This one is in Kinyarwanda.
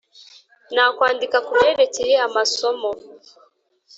nakwandika kubyerekeye amasomo.